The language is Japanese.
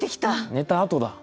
寝たあとだ。